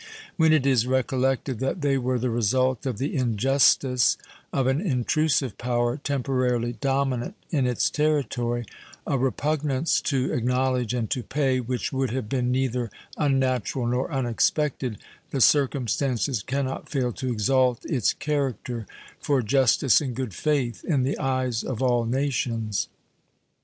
When it is recollected that they were the result of the injustice of an intrusive power temporarily dominant in its territory, a repugnance to acknowledge and to pay which would have been neither unnatural nor unexpected, the circumstances can not fail to exalt its character for justice and good faith in the eyes of all nations.